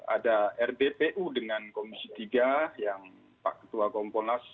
ada rdpu dengan komisi tiga yang pak ketua kompolnas